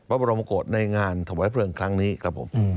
บรมกฏในงานถวายเพลิงครั้งนี้ครับผม